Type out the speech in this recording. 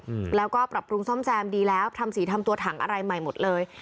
อืมแล้วก็ปรับปรุงซ่อมแซมดีแล้วทำสีทำตัวถังอะไรใหม่หมดเลย